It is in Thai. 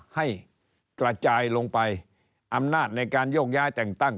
ให้กระจายลงไปอำนาจในการโยกย้ายแต่งตั้ง